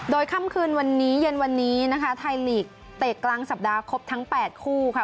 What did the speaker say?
โดยค่ำคืนวันนี้เย็นวันนี้นะคะไทยลีกเตะกลางสัปดาห์ครบทั้ง๘คู่ค่ะ